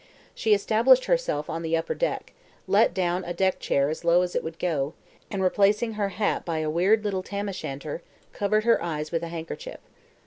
She established herself on the upper deck, let down a deck chair as low as it would go, and replacing her hat by a weird little Tam o' Shanter, covered her eyes with a handkerchief.